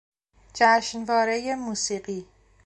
جشنوارهی موسیقی